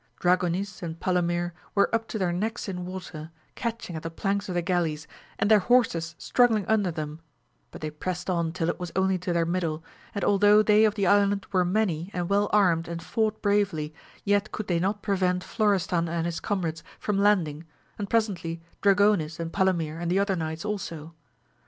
Dragonis and Palomir were up to their necks in water, catching at the planks of the galleys, and their horses struggling under them ; but they prest on till it was only to their middle, and altho' they of the island were many and well armed and fought bravely, yet could they not pre^'ent Flo restan and his comrades from landing, and presently Dragonis and Palomir and the other knights also.